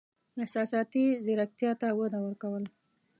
احساساتي زیرکتیا ته وده ورکول: